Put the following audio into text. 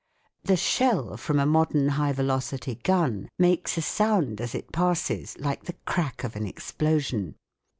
The shell from a modern high velocity gun makes a sound as it passes like the crack of an explosion.